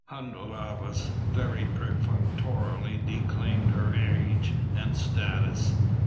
Hun Rhavas very perfunctorily declaimed her age and status.